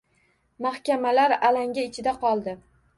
Mahkamalar alanga ichida qoldi